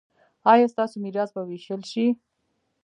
ایا ستاسو میراث به ویشل شي؟